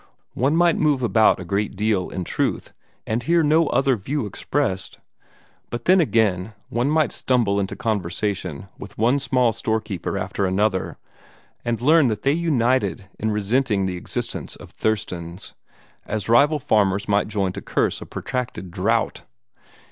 One might move about a great deal, in truth, and hear no other view expressed. But then again one might stumble into conversation with one small storekeeper after another, and learn that they united in resenting the existence of "Thurston's," as rival farmers might join to curse a protracted drought.